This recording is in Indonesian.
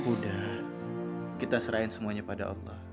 udah kita serahin semuanya pada allah